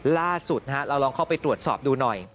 ล่าสุดเราลองเข้าไปตรวจสอบดูหน่อย